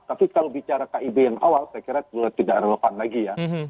tapi kalau bicara kib yang awal saya kira tidak relevan lagi ya